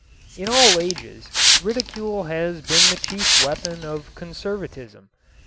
In all ages ridicule has been the chief weapon of conservatism.